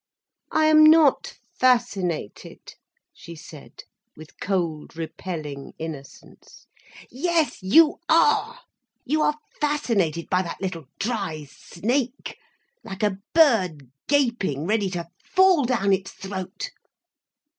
"I am not fascinated," she said, with cold repelling innocence. "Yes, you are. You are fascinated by that little dry snake, like a bird gaping ready to fall down its throat."